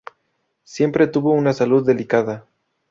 Siempre tuvo una salud delicada.